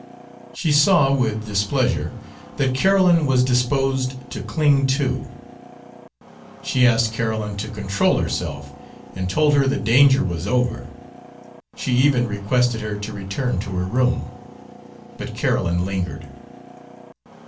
She saw, with displeasure, that Carolyn was disposed to cling too. She asked Carolyn to control herself and told her the danger was over; she even requested her to return to her room. But Carolyn lingered.